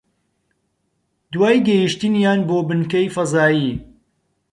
دوای گەیشتنیان بۆ بنکەی فەزایی